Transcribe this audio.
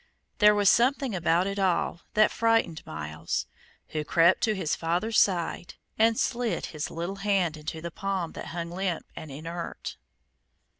There was something about it all that frightened Myles, who crept to his father's side, and slid his little hand into the palm that hung limp and inert.